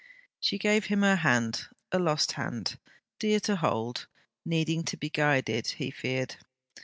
She gave him her hand: a lost hand, dear to hold, needing to be guided, he feared.